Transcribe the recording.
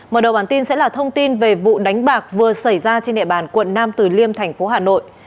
mở đầu bản tin sẽ là thông tin về vụ đánh bạc vừa xảy ra trên địa bàn quận nam từ liêm thành phố hà nội